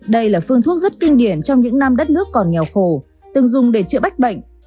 đây là phương thuốc rất kinh điển trong những năm đất nước còn nghèo khổ từng dùng để chữa bách bệnh